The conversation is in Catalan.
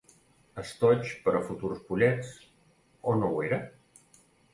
Estoig per a futurs pollets, o no ho era?